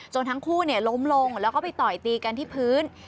ทั้งคู่ล้มลงแล้วก็ไปต่อยตีกันที่พื้น